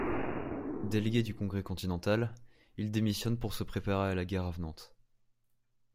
Délégué du Congrès continental, il démissionne pour se préparer à la guerre avenante.